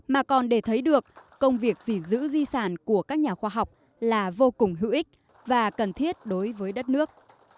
mà còn để thấy được công việc gìn giữ di sản của các nhà khoa học là vô cùng hữu ích và cần thiết đối với đất nước